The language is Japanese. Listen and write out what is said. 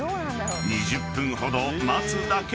［２０分ほど待つだけで］